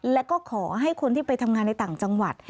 แล้วก็ขอให้คนที่ไปทำงานในต่างจังหวัด